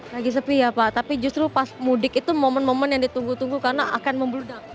lagi sepi ya pak tapi justru pas mudik itu momen momen yang ditunggu tunggu karena akan membludak